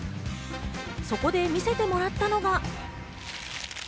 そこで見せてもらったのが。